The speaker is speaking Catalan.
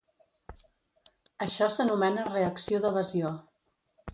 Això s'anomena reacció d'evasió.